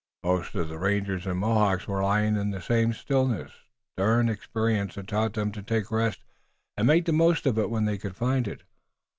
Most of the rangers and Mohawks were lying in the same stillness. Stern experience had taught them to take rest, and make the most of it when they could find it.